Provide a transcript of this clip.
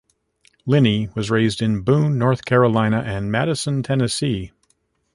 Linney was raised in Boone, North Carolina and Madison, Tennessee.